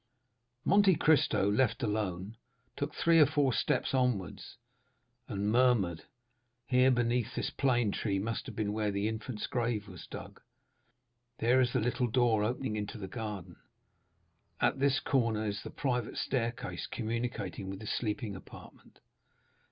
Monte Cristo, left alone, took three or four steps onwards, and murmured: "Here, beneath this plane tree, must have been where the infant's grave was dug. There is the little door opening into the garden. At this corner is the private staircase communicating with the sleeping apartment.